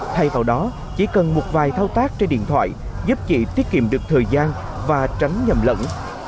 thay vào đó chỉ cần một vài thao tác trên điện thoại giúp chị tiết kiệm được thời gian và tránh nhầm lẫn